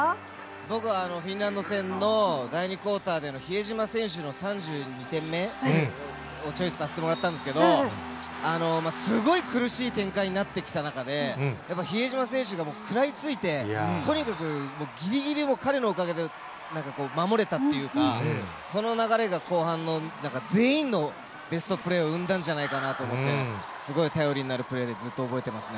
僕は、フィンランド戦の第２クオーターでの、比江島選手の３２点目をチョイスさせてもらったんですけど、すごい苦しい展開になってきた中で、やっぱ比江島選手が食らいついて、とにかくぎりぎり、彼のおかげでなんかこう、守れたっていうか、その流れが後半の全員のベストプレーを生んだんじゃないかなと思って、すごい頼りになるプレーで、ずっと覚えていますね。